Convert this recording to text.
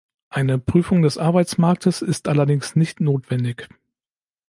Eine Prüfung des Arbeitsmarktes ist allerdings nicht notwendig.